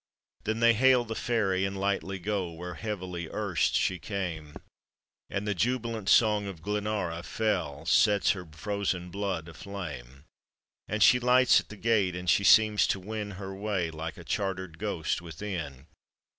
Then they hail the ferry, and lightly go Where heavily erst she came, And the jubilant song of Glenara fall Sets her frozen blood aflame, And she lights at the gate, and she seems to win Her way like a chartered ghost within.